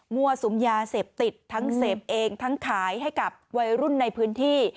สุมยาเสพติดทั้งเสพเองทั้งขายให้กับวัยรุ่นในพื้นที่